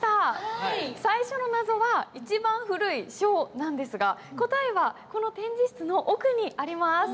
最初の謎は「一番古い書」なんですが答えはこの展示室の奥にあります。